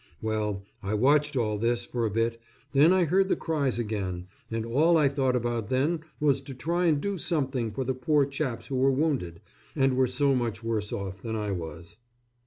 Well, I watched all this for a bit, then I heard the cries again, and all I thought about then was to try and do something for the poor chaps who were wounded and were so much worse off than I was.